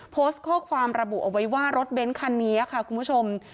โพสต์ข้อความระบุเอาไว้ว่ารถเบ้นคันนี้ค่ะคุณผู้ชม